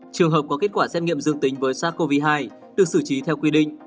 trường hợp có kết quả xét nghiệm dương tính với sars cov hai được xử trí theo quy định